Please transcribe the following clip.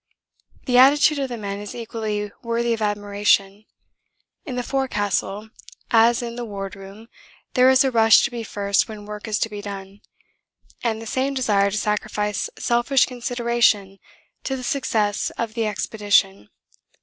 'The attitude of the men is equally worthy of admiration. In the forecastle as in the wardroom there is a rush to be first when work is to be done, and the same desire to sacrifice selfish consideration to the success of the expedition.